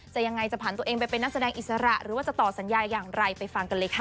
ยังไงจะผ่านตัวเองไปเป็นนักแสดงอิสระหรือว่าจะต่อสัญญาอย่างไรไปฟังกันเลยค่ะ